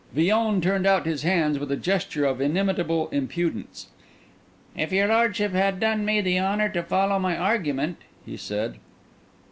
Villon turned out his hands with a gesture of inimitable impudence. "If your lordship had done me the honour to follow my argument!" he said.